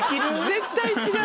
絶対違う。